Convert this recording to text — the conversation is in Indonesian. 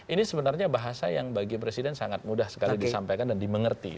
ini sebenarnya bahasa yang bagi presiden sangat mudah sekali disampaikan dan dimengerti